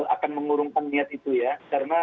akan mengurungkan niat itu ya karena